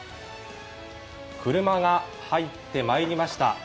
車が入ってまいりました。